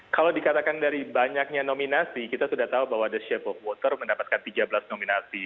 kalau dikatakan dari banyaknya nominasi kita sudah tahu bahwa the shape of water mendapatkan tiga belas nominasi